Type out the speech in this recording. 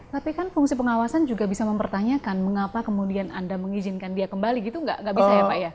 tapi kan fungsi pengawasan juga bisa mempertanyakan mengapa kemudian anda mengizinkan dia kembali gitu nggak bisa ya pak ya